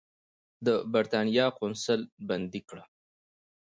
د برېټانیا قونسل بندي کړ.